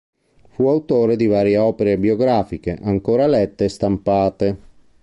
Fu autore di varie opere biografiche, ancora lette e stampate.